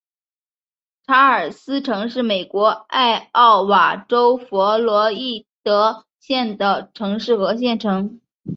查尔斯城是美国艾奥瓦州弗洛伊德县的城市和县城。